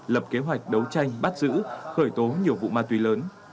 lập kế hoạch đấu tranh bắt giữ khởi tố nhiều vụ ma túy lớn